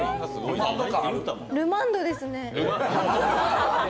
ルマンドですね。